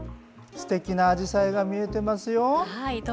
すてきなアジサイが見えてますよ。